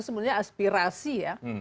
sebenarnya aspirasi ya